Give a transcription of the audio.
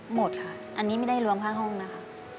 หมดค่ะอันนี้ไม่ได้รวมค่าห้องนะคะ